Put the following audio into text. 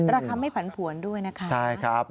ราคาไม่ผันผวนด้วยนะคะ